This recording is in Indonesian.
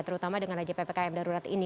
terutama dengan aja ppkm darurat ini